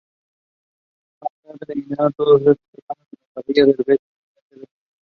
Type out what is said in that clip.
Strader was assisted by John Illia.